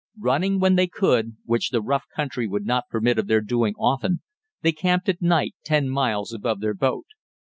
Running when they could, which the rough country would not permit of their doing often, they camped at night ten miles above their boat.